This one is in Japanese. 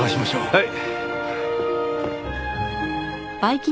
はい。